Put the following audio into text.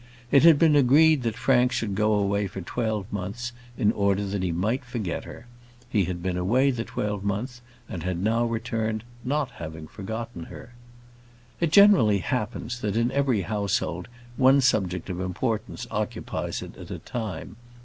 It had been agreed that Frank should go away for twelve months, in order that he might forget her. He had been away the twelvemonth, and had now returned, not having forgotten her. It generally happens, that in every household, one subject of importance occupies it at a time.